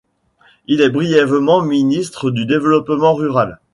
Il est brièvement ministre du Développement rural.